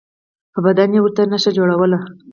په بدن به یې ورته نښه جوړوله.